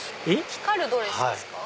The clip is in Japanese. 光るドレスですか？